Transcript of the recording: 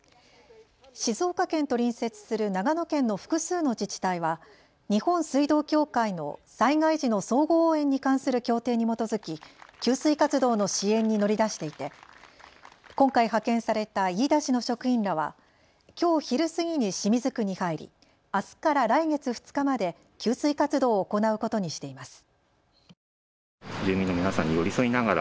静岡県と隣接する長野県の複数の自治体は日本水道協会の災害時の相互応援に関する協定に基づき給水活動の支援に乗り出していて今回、派遣された飯田市の職員らはきょう昼過ぎに清水区に入りあすから来月２日まで給水活動を行うことにしています。